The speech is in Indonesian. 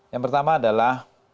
yang pertama adalah